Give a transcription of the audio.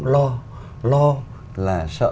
lo lo là sợ